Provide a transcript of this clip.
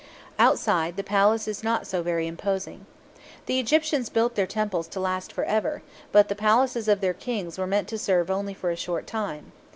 Outside, the palace is not so very imposing. The Egyptians built their temples to last for ever; but the palaces of their Kings were meant to serve only for a short time.